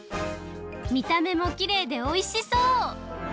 みためもきれいでおいしそう！